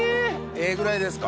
ええぐらいですか？